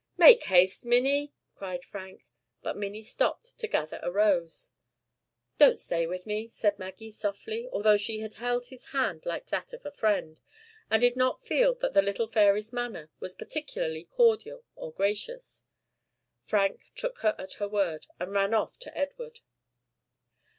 "Make haste, Minnie," cried Frank. But Minnie stopped to gather a rose. "Don't stay with me," said Maggie, softly, although she had held his hand like that of a friend, and did not feel that the little fairy's manner was particularly cordial or gracious. Frank took her at her word, and ran off to Edward.